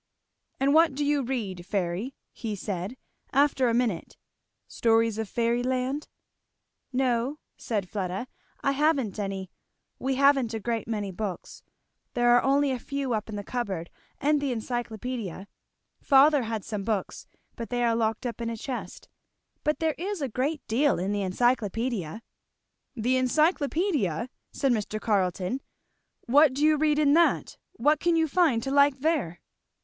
"And what do you read, Fairy?" he said after a minute; "stories of fairy land?" "No," said Fleda, "I haven't any. We haven't a great many books there are only a few up in the cupboard, and the Encyclopædia; father had some books, but they are locked up in a chest. But there is a great deal in the Encyclopædia." "The Encyclopædia!" said Mr. Carleton; "what do you read in that? what can you find to like there?"